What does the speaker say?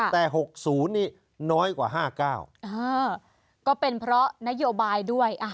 แต่๖๐นี่น้อยกว่า๕๙ก็เป็นเพราะนโยบายด้วย